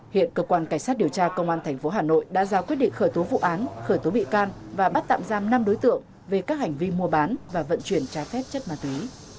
hiện cơ quan cảnh sát điều tra công an tp hà nội đã ra quyết định khởi tố vụ án khởi tố bị can và bắt tạm giam năm đối tượng về các hành vi mua bán và vận chuyển trái phép chất ma túy